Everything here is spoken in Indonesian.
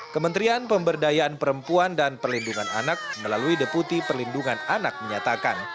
kementerian pemberdayaan perempuan dan perlindungan anak melalui deputi perlindungan anak menyatakan